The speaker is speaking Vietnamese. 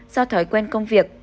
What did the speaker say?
bốn do thói quen công việc